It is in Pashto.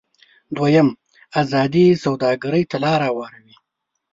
دویم: ازادې سوداګرۍ ته لار هوارول.